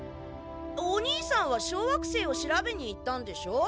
お兄さんは小惑星を調べに行ったんでしょ？